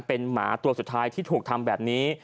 เป็นหมาตัวสุดท้ายที่ถูกทำแบบนี้